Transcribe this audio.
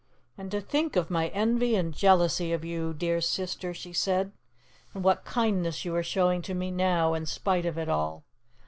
"And to think of my envy and jealousy of you, dear Sister," she said, "and what kindness you are showing to me now, in spite of it all!"